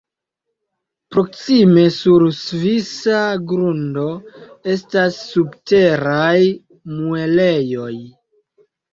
Proksime sur svisa grundo estas Subteraj Muelejoj.